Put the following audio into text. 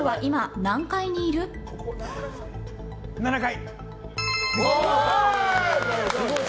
７階。